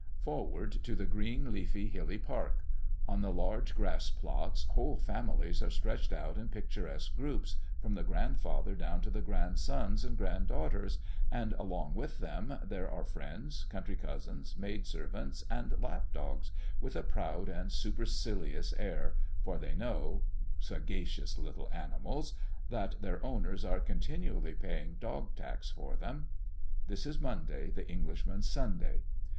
Forward to the green, leafy, hilly park! On the large grass plots whole families are stretched out in picturesque groups, from the grandfather down to the grandsons and grand daughters, and along with them there are friends, country cousins, maid servants, and lap dogs with a proud and supercilious air, for they know, sagacious little animals, that their owners are continually paying dog tax for them. This is Monday, the Englishman's Sunday.